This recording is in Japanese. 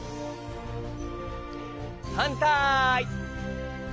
はんたい。